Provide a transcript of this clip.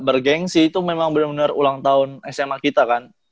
bergengsi itu memang bener bener ulang tahun sma kita kan